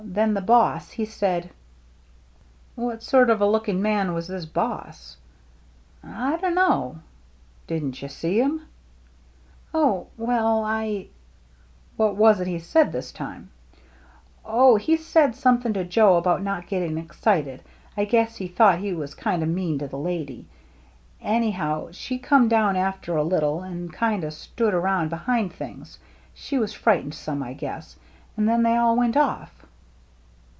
Then the boss, he said —"" What sort of a looking man was this boss?" " I dunno." " Didn't you see him ?" "Oh, well, I —" THE GINGHAM DRESS 287 " What was it he said this time ?" "Oh, — he said something to Joe about not getting excited. I guess he thought he was kind o' mean to the lady. Anyhow, she come down after a little and kind o' stood around behind things. She was frightened some, I guess. And then they all went off."